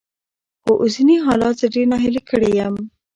خو اوسني حالات زه ډېره ناهيلې کړې يم.